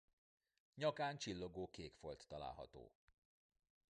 Nyakán csillogó kék folt található.